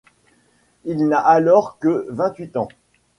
Il n’a alors que vingt-huit ans.